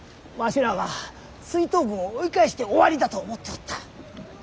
わしらは追討軍を追い返して終わりだと思っておった。